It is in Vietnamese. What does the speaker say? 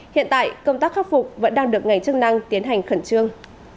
hiện tại công tác khắc phục vẫn đang được ngành chức năng tiến hành khẩn trương